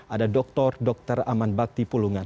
ada dokter dokter aman bakti pulungan